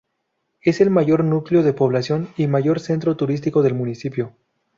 Es el mayor núcleo de población y mayor centro turístico del municipio.